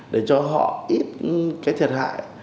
để cho họ ít thiệt hại